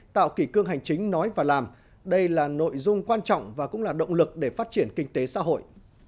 tạo kỷ cương hành chính nói và làm đây là nội dung quan trọng và cũng là động lực để phát triển kinh tế xã hội